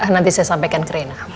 nanti saya sampaikan ke rena